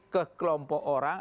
ke kelompok orang